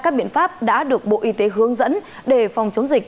các biện pháp đã được bộ y tế hướng dẫn để phòng chống dịch